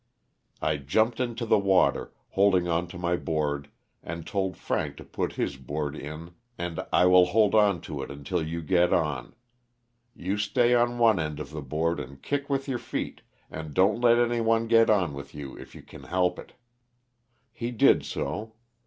I jumped into the water, holding on to my board and told Frank to put his board in and " I will hold on to it until you get on ; you stay on one end of the board and kick with your feet, and don't let anyone get on with you if you can help it." He did so.